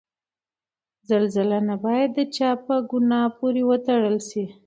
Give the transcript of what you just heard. زلزله نه باید د چا په ګناه پورې وتړل شي.